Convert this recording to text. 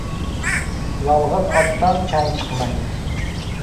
• Yolg‘iz otdan chang chiqmaydi.